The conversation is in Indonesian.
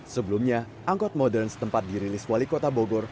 sebelumnya angkot modern setempat dirilis wali kota bogor